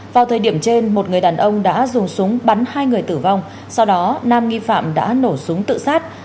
vào thời điểm trên một người đàn ông đã dùng súng bắn hai người tử vong sau đó nam nghi phạm đã nổ súng tự sát